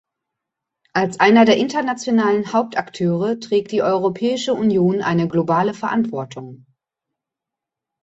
Als einer der internationalen Hauptakteure trägt die Europäische Union eine globale Verantwortung.